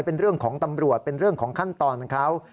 เป็นเรื่องของตำรวจเป็นเรื่องของขั้นตอนของเขา